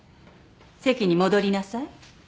席に戻りなさい。